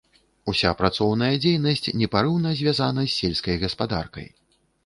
Уся працоўная дзейнасць непарыўна звязана з сельскай гаспадаркай.